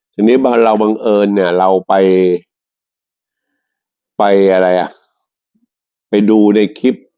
ตอนนี้บางเอิญเราไปไปดูในคลิป